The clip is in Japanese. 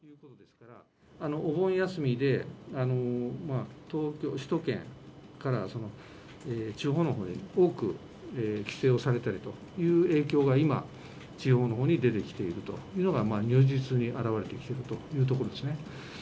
お盆休みで、東京、首都圏から地方のほうに多く帰省をされたりという影響が今、地方のほうに出てきていると、如実に表れてきているというところですね。